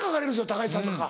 高市さんとか。